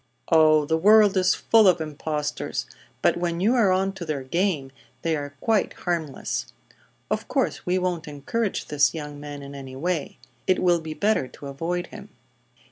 "Oh, the world is full of impostors; but when you are on to their game they are quite harmless. Of course we won't encourage this young man in any way. It will be better to avoid him."